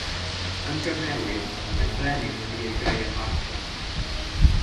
Yn gyfnewid, mae'r Brenin wedi ei greu yn Farsial.